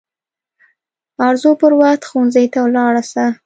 ارزو پر وخت ښوونځي ته ولاړه سه